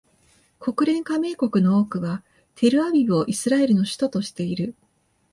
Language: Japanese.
国連加盟国の多くはテルアビブをイスラエルの首都としている